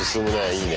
いいね。